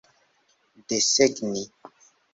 desegni